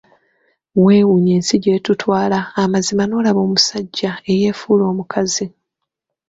Wewuunya ensi gyetutwala amazima n'olaba omusajja eyefuula omukazi.